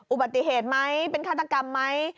อุบัติเหตุไหมเป็นฆาตกรรมไหม